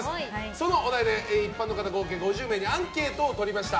そのお題で一般の方合計５０名にアンケートを取りました。